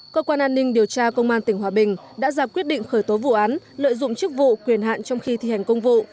cơ quan an ninh điều tra công an tỉnh hòa bình đã ra quyết định khởi tố vụ án lợi dụng chức vụ quyền hạn trong khi thi hành công vụ